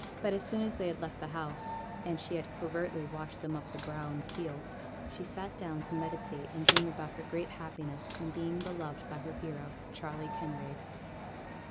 But as soon as they had left the house, and she had covertly watched them up the brow in the field, she sate down to meditate and dream about her great happiness in being beloved by her hero, Charley Kinraid.